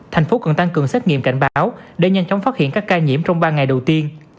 thành phố cần tăng cường xét nghiệm cảnh báo để nhanh chóng phát hiện các ca nhiễm trong ba ngày đầu tiên